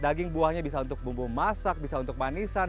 daging buahnya bisa untuk bumbu masak bisa untuk manisan